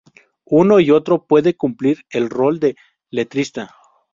Uno y otro puede cumplir el rol de letrista.